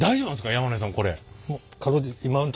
山根さんこれ。